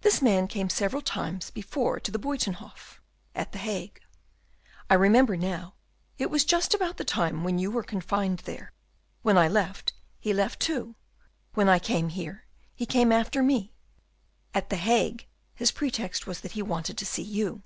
"This man came several times before to the Buytenhof, at the Hague. I remember now, it was just about the time when you were confined there. When I left, he left too; when I came here, he came after me. At the Hague his pretext was that he wanted to see you."